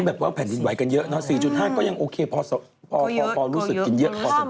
เพราะแผ่นดินไหวกันเยอะนะ๔๕ก็ยังโอเคพอรู้สึกเป็นเยอะพอสังคม